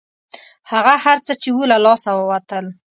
هغه هر څه چې وو له لاسه ووتل.